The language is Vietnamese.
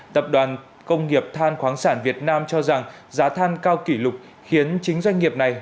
tập đoàn công nghiệp than khoáng sản việt nam cho rằng giá than cao kỷ lục khiến chính doanh nghiệp này